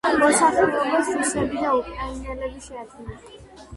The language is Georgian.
მოსახლეობას რუსები და უკრაინელები შეადგენენ.